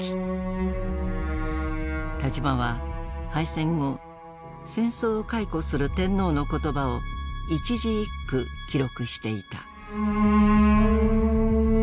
田島は敗戦後戦争を回顧する天皇の言葉を一字一句記録していた。